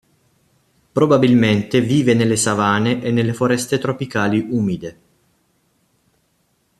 Probabilmente vive nelle Savane e nelle foreste tropicali umide.